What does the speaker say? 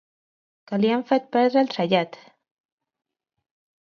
Que li han fet perdre el trellat...